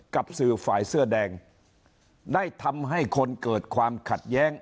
กับสื่อฝ่ายเสื้อแดงได้ทำให้คนเกิดความขัดแย้ง